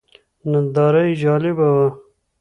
ننداره یې جالبه وه.